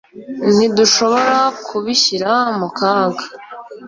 ntidushobora kubishyira mu kaga